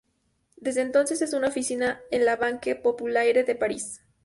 Desde entonces, es una oficina de la "Banque Populaire" de París.